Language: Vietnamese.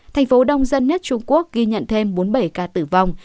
thành phố đông dân nhất trung quốc ghi nhận thêm bốn mươi bảy ca tử vong